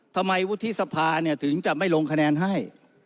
ทำไมวุฒิสภาเนี่ยถึงจะไม่ลงคะแนนให้